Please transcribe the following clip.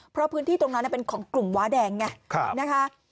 เพราะพื้นที่ตรงนั้นเป็นของกลุ่มว้าแดงไงนะคะ